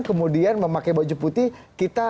kemudian memakai baju putih kita